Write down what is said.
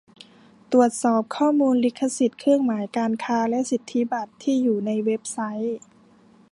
ตรวจสอบข้อมูลลิขสิทธิ์เครื่องหมายการค้าและสิทธิบัตรที่อยู่ในเว็บไซต์